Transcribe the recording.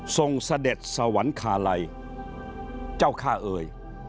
เสด็จสวรรคาลัยเจ้าค่าเอ่ย